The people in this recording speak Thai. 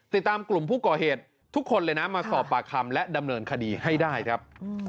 ติดตามกลุ่มผู้ก่อเหตุทุกคนเลยนะมาสอบปากคำและดำเนินคดีให้ได้ครับ